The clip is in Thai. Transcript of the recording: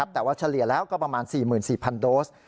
แต่ว่าเฉลี่ยแล้วก็ประมาณ๔๔๐๐โดส